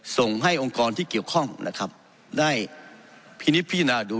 ส่งให้องค์กรที่เกี่ยวข้องนะครับได้พินิษฐพิจารณาดู